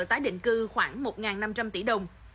tái định cư khoảng một năm trăm linh tỷ đồng